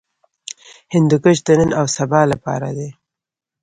هندوکش د نن او سبا لپاره دی.